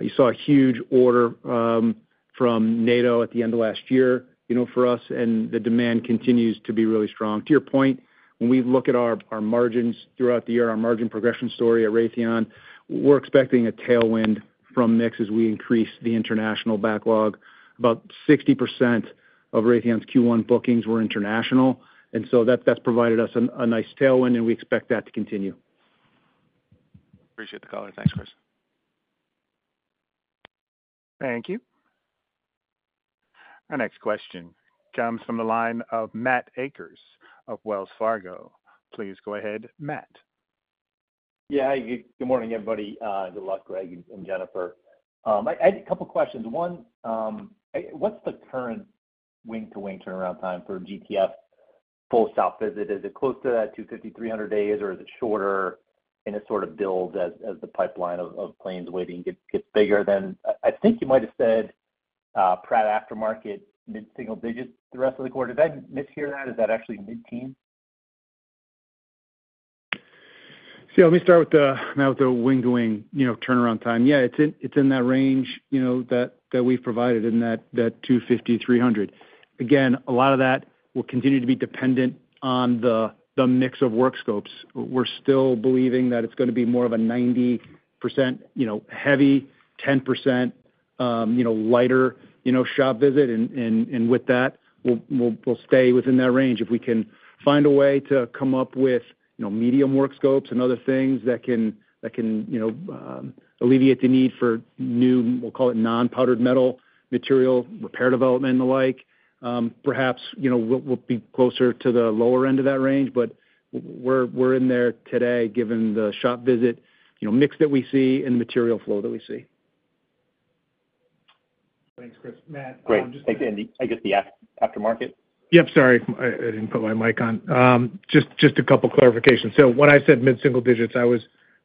You saw a huge order from NATO at the end of last year for us. And the demand continues to be really strong. To your point, when we look at our margins throughout the year, our margin progression story at Raytheon, we're expecting a tailwind from mix as we increase the international backlog. About 60% of Raytheon's Q1 bookings were international. And so that's provided us a nice tailwind. And we expect that to continue. Appreciate the caller. Thanks, Chris. Thank you. Our next question comes from the line of Matt Akers of Wells Fargo. Please go ahead, Matt. Yeah. Good morning, everybody. Good luck, Greg and Jennifer. I had a couple of questions. One, what's the current wing-to-wing turnaround time for GTF full shop visit? Is it close to that 250, 300 days? Or is it shorter? And it sort of builds as the pipeline of planes waiting gets bigger. Then I think you might have said Pratt aftermarket mid-single digits the rest of the quarter. Did I mishear that? Is that actually mid-teens? See, let me start now with the wing-to-wing turnaround time. Yeah. It's in that range that we've provided in that 250-300. Again, a lot of that will continue to be dependent on the mix of work scopes. We're still believing that it's going to be more of a 90% heavy, 10% lighter shop visit. And with that, we'll stay within that range. If we can find a way to come up with medium work scopes and other things that can alleviate the need for new, we'll call it non-powdered metal material, repair development and the like, perhaps we'll be closer to the lower end of that range. But we're in there today given the shop visit mix that we see and the material flow that we see. Thanks, Chris. Matt, I'm just. Great. I guess the aftermarket? Yep. Sorry. I didn't put my mic on. Just a couple of clarifications. So when I said mid-single digits, I was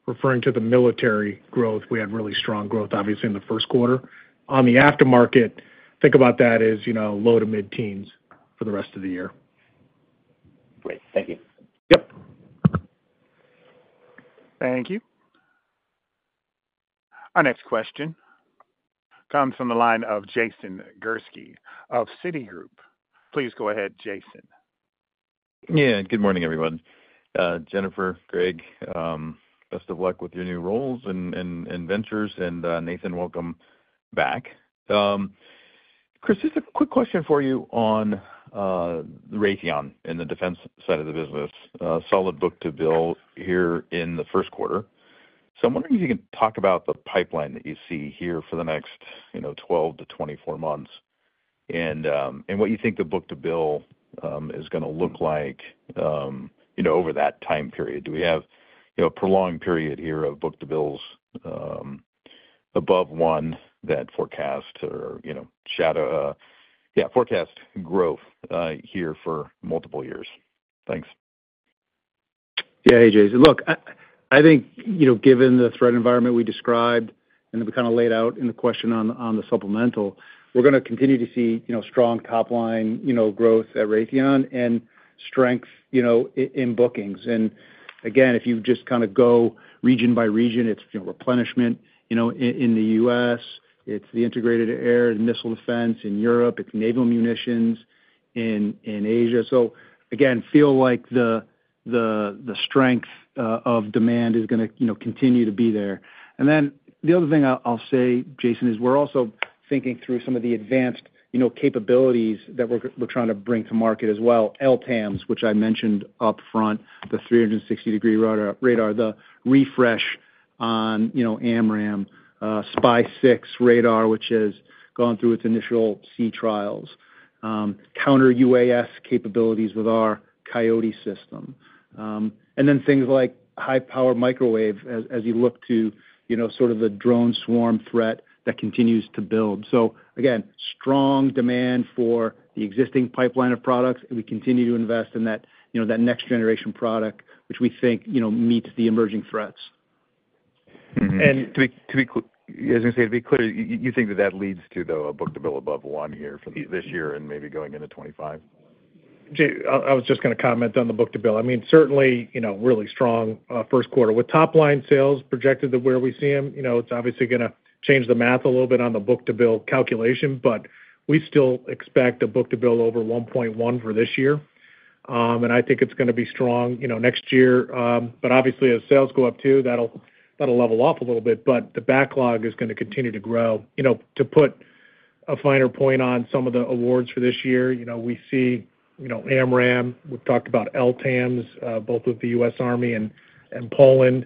referring to the military growth. We had really strong growth, obviously, in the first quarter. On the aftermarket, think about that as low to mid-teens for the rest of the year. Great. Thank you. Yep. Thank you. Our next question comes from the line of Jason Gursky of Citigroup. Please go ahead, Jason. Yeah. Good morning, everyone. Jennifer, Greg, best of luck with your new roles and ventures. And Nathan, welcome back. Chris, just a quick question for you on Raytheon and the defense side of the business. Solid book-to-bill here in the first quarter. So I'm wondering if you can talk about the pipeline that you see here for the next 12-24 months and what you think the book-to-bill is going to look like over that time period. Do we have a prolonged period here of book-to-bills above one that forecast or shadow yeah, forecast growth here for multiple years? Thanks. Yeah. Hey, Jason. Look, I think given the threat environment we described and that we kind of laid out in the question on the supplemental, we're going to continue to see strong top-line growth at Raytheon and strength in bookings. And again, if you just kind of go region by region, it's replenishment in the U.S. It's the integrated air missile defense in Europe. It's naval munitions in Asia. So again, feel like the strength of demand is going to continue to be there. And then the other thing I'll say, Jason, is we're also thinking through some of the advanced capabilities that we're trying to bring to market as well. LTAMDS, which I mentioned upfront, the 360-degree radar, the refresh on AMRAAM, SPY-6 radar, which has gone through its initial sea trials, counter-UAS capabilities with our Coyote system, and then things like high-power microwave as you look to sort of the drone swarm threat that continues to build. So again, strong demand for the existing pipeline of products. And we continue to invest in that next-generation product, which we think meets the emerging threats. As I say, to be clear, you think that that leads to, though, a book-to-bill above one here for this year and maybe going into 2025? I was just going to comment on the book-to-bill. I mean, certainly, really strong first quarter. With top-line sales projected to where we see them, it's obviously going to change the math a little bit on the book-to-bill calculation. But we still expect a book-to-bill over 1.1 for this year. And I think it's going to be strong next year. But obviously, as sales go up too, that'll level off a little bit. But the backlog is going to continue to grow. To put a finer point on some of the awards for this year, we see AMRAAM. We've talked about LTAMDS, both with the US Army and Poland,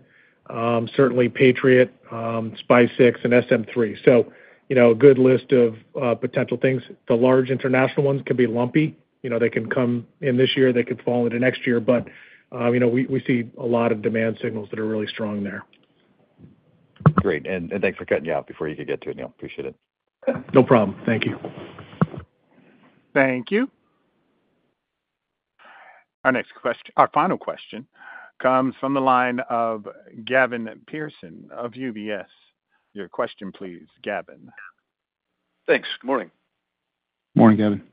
certainly Patriot, SPY-6, and SM-3. So a good list of potential things. The large international ones can be lumpy. They can come in this year. They could fall into next year. But we see a lot of demand signals that are really strong there. Great. Thanks for cutting you off before you could get to it, Neil. Appreciate it. No problem. Thank you. Thank you. Our final question comes from the line of Gavin Parsons of UBS. Your question, please, Gavin. Thanks. Good morning. Morning, Gavin.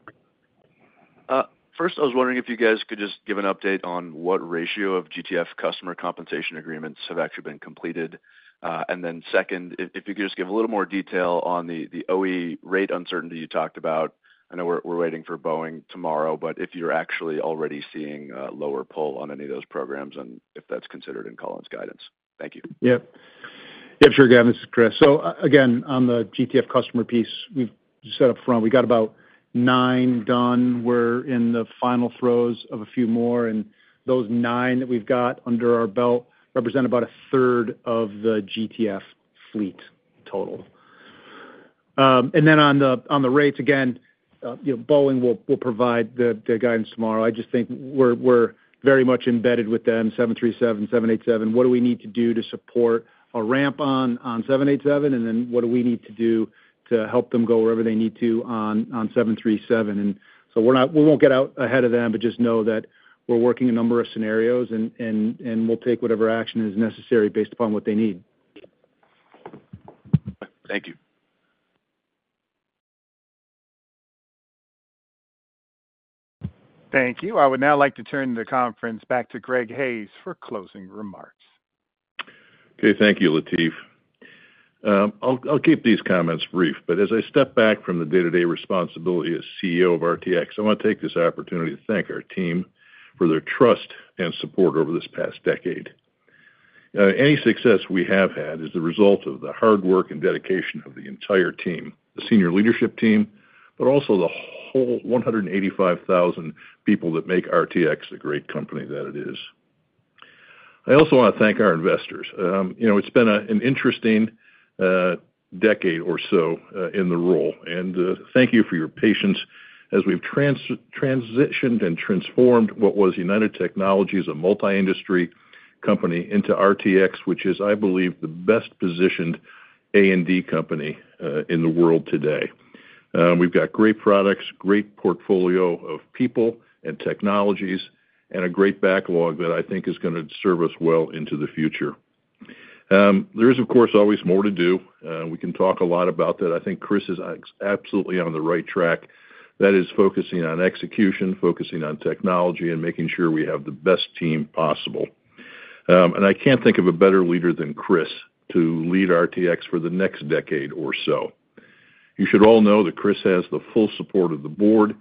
First, I was wondering if you guys could just give an update on what ratio of GTF customer compensation agreements have actually been completed? And then second, if you could just give a little more detail on the OE rate uncertainty you talked about? I know we're waiting for Boeing tomorrow. But if you're actually already seeing a lower pull on any of those programs and if that's considered in Collins' guidance? Thank you. Yep. Yep. Sure, Gavin. This is Chris. So again, on the GTF customer piece we've set up front, we got about 9 done. We're in the final throes of a few more. And those 9 that we've got under our belt represent about a third of the GTF fleet total. And then on the rates, again, Boeing will provide their guidance tomorrow. I just think we're very much embedded with them, 737, 787. What do we need to do to support a ramp on 787? And then what do we need to do to help them go wherever they need to on 737? And so we won't get out ahead of them. But just know that we're working a number of scenarios. And we'll take whatever action is necessary based upon what they need. Okay. Thank you. Thank you. I would now like to turn the conference back to Greg Hayes for closing remarks. Okay. Thank you, Latif. I'll keep these comments brief. But as I step back from the day-to-day responsibility as CEO of RTX, I want to take this opportunity to thank our team for their trust and support over this past decade. Any success we have had is the result of the hard work and dedication of the entire team, the senior leadership team, but also the whole 185,000 people that make RTX the great company that it is. I also want to thank our investors. It's been an interesting decade or so in the role. And thank you for your patience as we've transitioned and transformed what was United Technologies, a multi-industry company, into RTX, which is, I believe, the best-positioned A&D company in the world today. We've got great products, great portfolio of people and technologies, and a great backlog that I think is going to serve us well into the future. There is, of course, always more to do. We can talk a lot about that. I think Chris is absolutely on the right track. That is focusing on execution, focusing on technology, and making sure we have the best team possible. And I can't think of a better leader than Chris to lead RTX for the next decade or so. You should all know that Chris has the full support of the board,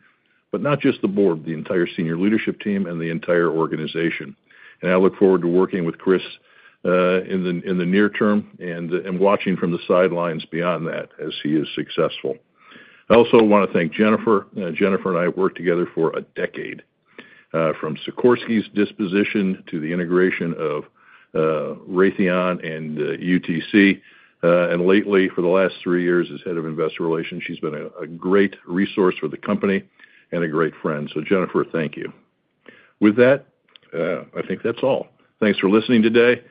but not just the board, the entire senior leadership team and the entire organization. And I look forward to working with Chris in the near term and watching from the sidelines beyond that as he is successful. I also want to thank Jennifer. Jennifer and I have worked together for a decade, from Sikorsky's disposition to the integration of Raytheon and UTC. Lately, for the last three years as head of investor relations, she's been a great resource for the company and a great friend. So Jennifer, thank you. With that, I think that's all. Thanks for listening today.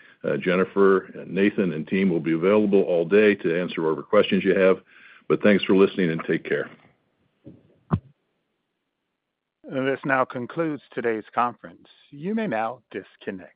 Jennifer, Nathan, and team will be available all day to answer all the questions you have. Thanks for listening. Take care. This now concludes today's conference. You may now disconnect.